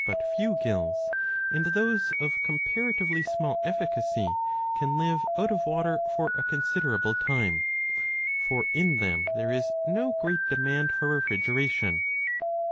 but few gills, and those of corhparatively small efficacy, can live out of water for a considerable time ; for in them there is no great demand for refrigeration.